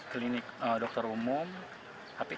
tapi klinik tidak menganjur